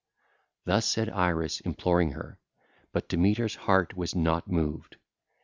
324 333) Thus said Iris imploring her. But Demeter's heart was not moved.